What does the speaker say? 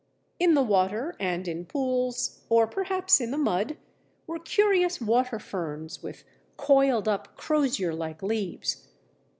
In the water and in pools, or perhaps in the mud, were curious waterferns with coiled up crozier like leaves.